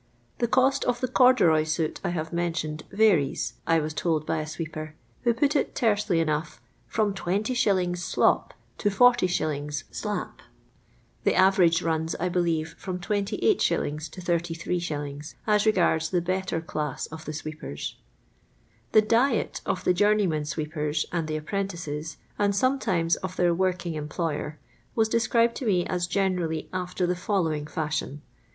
The cost of the corduroy suit I have mentioned varies, I was told by a sweeper, who put it tersely enough, *' from 205. slop, to 40*. siap." The average runs, I believe, from 28*. to 83*., as regards the better class of the sweepers. The diet of the Journey/men srt' pers and the apprentices, and sometimes of their working em ployer, was described to me as generally after the following fashion.